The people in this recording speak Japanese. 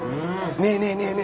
ねえねえねえねえ？